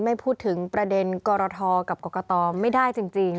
ไม่พูดถึงประเด็นกรทกับกรกตไม่ได้จริง